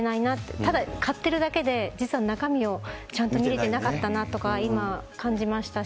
ただ、買ってるだけで実は中身をちゃんと見れてなかったなとか今感じましたし。